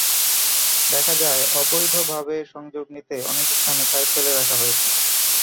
দেখা যায়, অবৈধভাবে সংযোগ নিতে অনেক স্থানে পাইপ ফেলে রাখা হয়েছে।